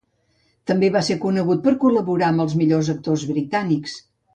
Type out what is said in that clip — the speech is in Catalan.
També va ser conegut per col·laborar amb els millors actors britànics.